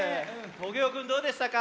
トゲオくんどうでしたか？